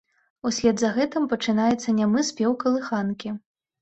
Услед за гэтым пачынаецца нямы спеў калыханкі.